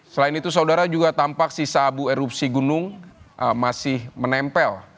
selain itu saudara juga tampak sisa abu erupsi gunung masih menempel